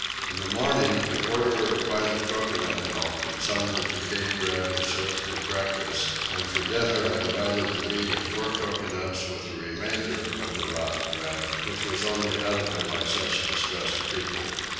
In the morning a quarter of a pint of coconut milk and some of the decayed bread was served for breakfast, and for dinner I divided the meat of four coconuts with the remainder of the rotten bread, which was only eatable by such distressed people.